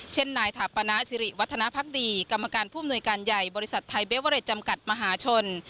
เช่นนายถาปนาสิริวัฒนภักดีกรรมการผู้อำนวยการใหญ่บริษัทไทยเบเวอเรดจำกัดมหาชน